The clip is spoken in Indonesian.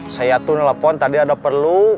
saya tuh nelfon tadi ada perlu